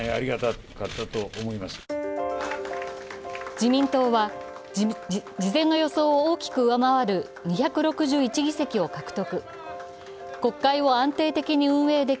自民党は事前の予想を大きく上回る２６１議席を獲得。